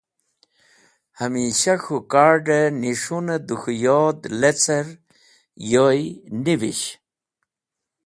Hamisha k̃hũ kard̃ẽ nis̃hunẽ dẽ k̃hũ yod lecẽr yoy nivish.